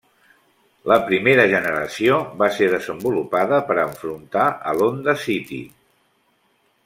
La primera generació va ser desenvolupada per a enfrontar a l'Honda City.